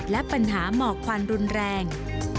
และปัญหาหมอกควันรุนแรง